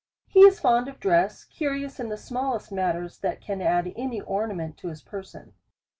He is fond of dress, curious in the smallest matters that can add any ornament to his person.